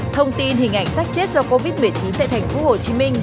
thông tin hình ảnh sát chết do covid một mươi chín tại thành phố hồ chí minh